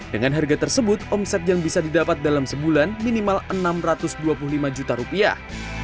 dengan harga tersebut omset yang bisa didapat dalam sebulan minimal enam ratus dua puluh lima juta rupiah